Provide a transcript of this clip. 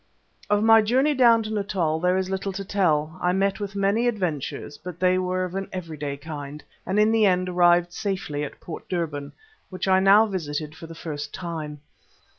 Of my journey down to Natal there is little to tell. I met with many adventures, but they were of an every day kind, and in the end arrived safely at Port Durban, which I now visited for the first time.